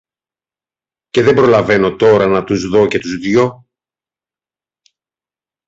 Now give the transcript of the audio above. και δεν προλαβαίνω τώρα να τους δω και τους δύο